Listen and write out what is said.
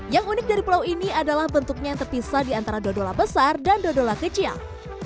yang unik dari pulau ini adalah bentuknya yang terpisah di antara dodola besar dan dodola kecil